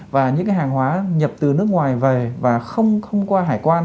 và những hàng hóa nhập từ nước ngoài về và không qua hải quan